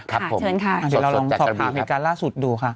ครับผมเชิญค่ะสดจากกระบี่ครับสวัสดีครับเราลองสอบถามเหตุการณ์ล่าสุดดูค่ะ